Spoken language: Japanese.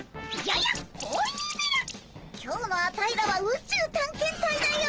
今日のアタイらは宇宙探検隊だよ。